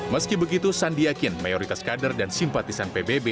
meski begitu sandiakin mayoritas kader dan simpatisan pbb